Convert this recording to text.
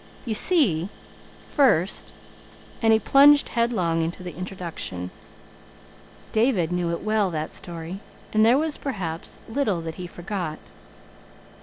"You see, first " And he plunged headlong into the introduction. David knew it well that story: and there was, perhaps, little that he forgot.